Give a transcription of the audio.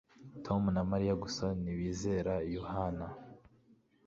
Tom na Mariya gusa ntibizera Yohana